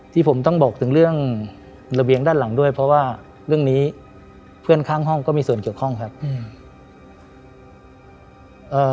ที่ผมต้องบอกถึงเรื่องระเบียงด้านหลังด้วยเพราะว่าเรื่องนี้เพื่อนข้างห้องก็มีส่วนเกี่ยวข้องครับอืมเอ่อ